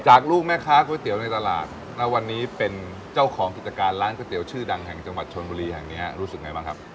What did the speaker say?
ลูกแม่ค้าก๋วยเตี๋ยวในตลาดณวันนี้เป็นเจ้าของกิจการร้านก๋วยเตี๋ยวชื่อดังแห่งจังหวัดชนบุรีแห่งนี้รู้สึกไงบ้างครับ